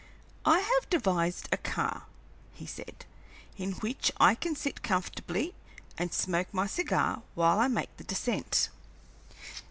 "I have devised a car," he said, "in which I can sit comfortably and smoke my cigar while I make the descent.